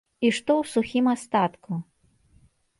І што ў сухім астатку?